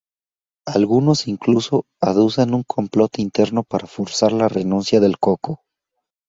Algunos incluso aducen un complot interno para forzar la renuncia del Coco.